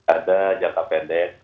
ada jangka pendek